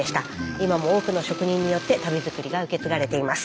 今も多くの職人によって足袋作りが受け継がれています。